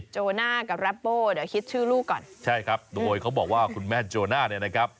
โจน่ากับแรปโป้เดี๋ยวคิดชื่อลูกก่อนใช่ครับโดยเขาบอกว่าคุณแม่โจน่าเนี่ยนะครับ